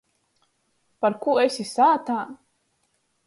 Parkū esi sātā?